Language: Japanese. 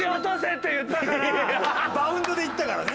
バウンドで行ったからね。